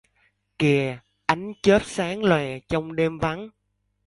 Kìa ánh chớp sáng loè trong đêm vắng